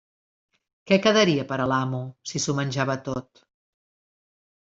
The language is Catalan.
Què quedaria per a l'amo si s'ho menjava tot?